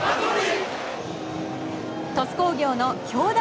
鳥栖工業の兄弟